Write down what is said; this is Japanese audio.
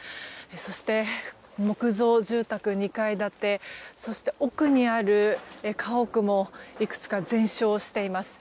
そして、木造住宅２階建てそして、奥にある家屋もいくつか全焼しています。